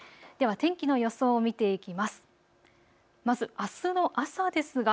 では天気の予想を見ていきます。